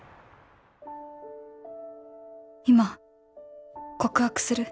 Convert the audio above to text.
今告白する